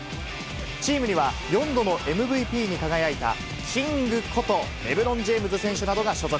チームには４度のＭＶＰに輝いたキングことレブロン・ジェームズ選手などが所属。